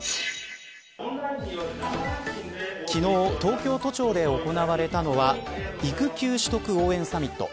昨日、東京都庁で行われたのは育休取得応援サミット。